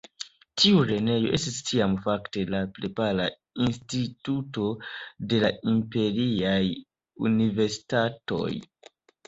Tiu lernejo estis tiam fakte la prepara instituto de la imperiaj universitatoj.